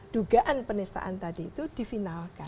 dugaan penistaan tadi itu difinalkan